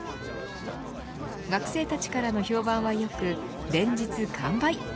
学生たちからの評判は良く連日完売。